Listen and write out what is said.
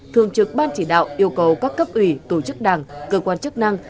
thường trực ban chỉ đạo yêu cầu các cấp ủy tổ chức đảng cơ quan chức năng